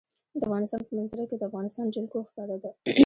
د افغانستان په منظره کې د افغانستان جلکو ښکاره ده.